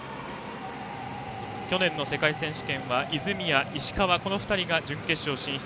去年の世界選手権は泉谷、石川この２人が準決勝進出。